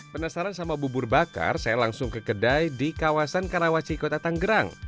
penasaran sama bubur bakar saya langsung ke kedai di kawasan karawaci kota tanggerang